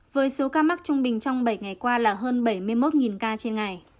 với số ca mắc trung bình trong bảy ngày qua là hơn bảy mươi một ca trên ngày